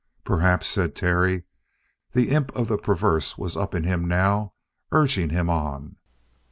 "Perhaps," said Terry. The imp of the perverse was up in him now, urging him on.